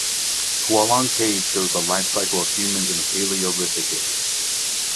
Hualong Cave shows the lifestyle of humans in the Paleolithic Age.